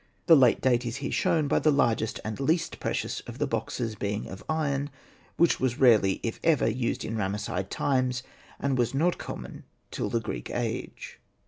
The late date is here shown by the largest and least precious of the boxes being of iron, which was rarely, if ever, used in Ramesside times, and was not common till the Greek age.